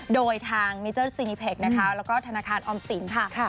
โดยทางมิเจอร์ซีนิเพคนะคะแล้วก็ธนาคารออมสินค่ะ